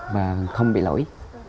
và không bị lỗi